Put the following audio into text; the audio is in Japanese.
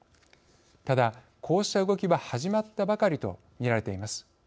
ただこうした動きは始まったばかりとみられています。